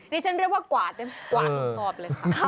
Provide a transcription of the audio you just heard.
นี่ฉันเรียกว่ากวาดกวาดของครอบเลยครับ